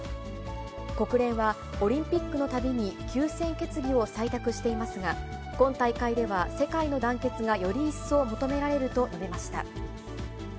国連は、オリンピックのたびに休戦決議を採択していますが、今大会では世界の団結がより一層求められると述べました。